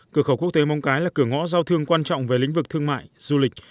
cửa khẩu quốc tế móng cái là cửa ngõ giao thương quan trọng về lĩnh vực thương mại du lịch